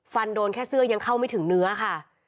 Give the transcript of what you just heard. ฟันโดนแค่เสื้อยังเข้าไม่ถึงเนื้อค่ะ